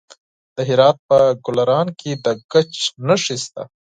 د هرات په ګلران کې د ګچ نښې شته.